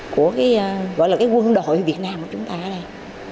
của cái gọi là cái quân đội việt nam của chúng ta ở đây